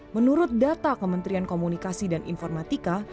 menurut data kementerian komunikasi dan informatika